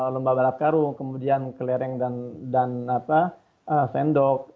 lomba balap karung kemudian kelereng dan sendok